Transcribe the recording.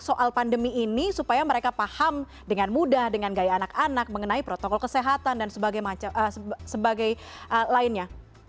soal pandemi ini supaya mereka paham dengan mudah dengan gaya anak anak mengenai protokol kesehatan dan sebagainya